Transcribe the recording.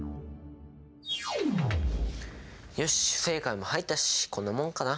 よし不正解も入ったしこんなもんかな。